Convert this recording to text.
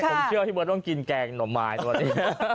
ผมเชื่อว่าที่เบิร์ดต้องกินแกงหน่อมายตอนนี้